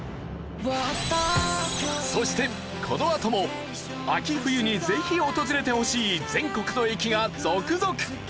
そしてこのあとも秋冬にぜひ訪れてほしい全国の駅が続々！